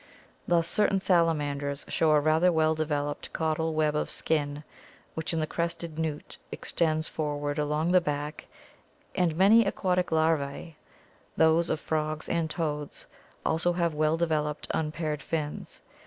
Thus certain salamanders show a rather well developed caudal web of skin which in the crested newt extends forward along the back, and many aquatic larvae, those of frogs and toads, also have well developed unpaired fins.